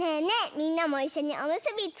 みんなもいっしょにおむすびつくろう！